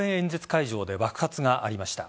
会場で爆発がありました。